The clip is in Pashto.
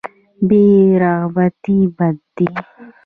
بې رغبتي بد دی.